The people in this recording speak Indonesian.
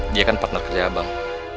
dia kan partner kerja abang